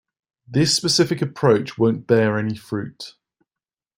This specific approach won't bear any fruit.